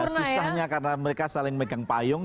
susahnya karena mereka saling megang payung